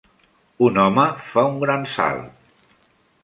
un home fa un gran salt.